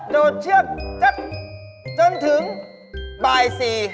โดดเชือกจนถึงบ่าย๔